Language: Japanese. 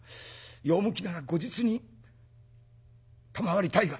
用向きなら後日に賜りたいが」。